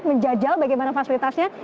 menjajal bagaimana fasilitasnya